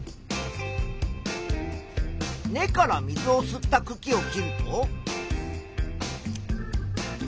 根から水を吸ったくきを切ると。